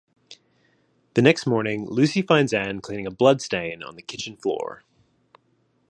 The next morning, Lucy finds Ann cleaning a bloodstain on the kitchen floor.